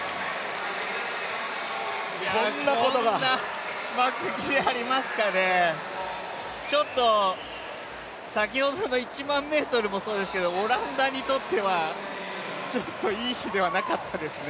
こんな幕切れありますかね、先ほどの１００００ｍもそうですけど、オランダにとってはいい日ではなかったですね。